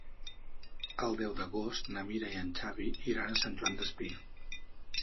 El deu d'agost na Mira i en Xavi iran a Sant Joan Despí.